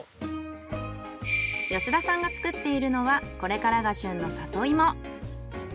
吉田さんが作っているのはこれからが旬の里芋。